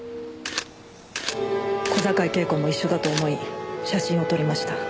小坂井恵子も一緒だと思い写真を撮りました。